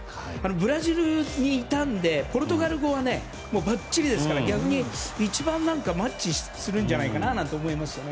ブラジルにいたのでポルトガル語はばっちりですから逆に一番マッチするんじゃないかななんて思いますよね。